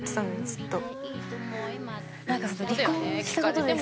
ずっと。